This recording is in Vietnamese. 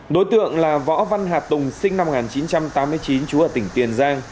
đối tượng là võ văn hà tùng sinh năm một nghìn chín trăm tám mươi chín trú ở tỉnh tiền giang